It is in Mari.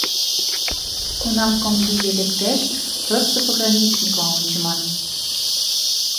Кунам комбиге лектеш, просто пограничникла ончыман.